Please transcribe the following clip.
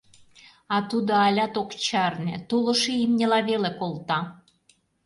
А тудо алят ок чарне, тулышо имньыла веле колта: